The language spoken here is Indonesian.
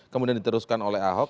kemudian diteruskan oleh ahok